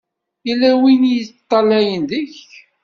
Yella win i d-iṭṭalayen deg-k.